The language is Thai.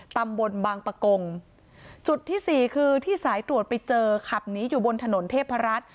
ตำบลบางปะกงจุดที่สี่คือที่สายตรวจไปเจอขับหนีอยู่บนถนนเทพรัฐ